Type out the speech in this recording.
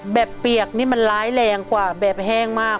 เปียกนี่มันร้ายแรงกว่าแบบแห้งมาก